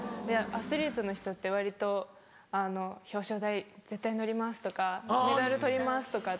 アスリートの人って割と「表彰台絶対乗ります！」とか「メダルとります！」とかって。